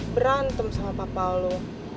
berantem sama papa lo